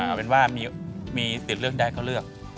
เอาเป็นว่ามีสิทธิ์เลือกได้ก็เลือก